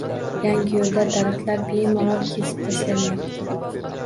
Yangiyoʻlda daraxtlar bemalol kesib tashlanayapti.